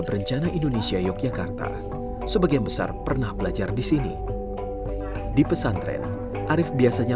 berencana indonesia yogyakarta sebagian besar pernah belajar di sini di pesantren arief biasanya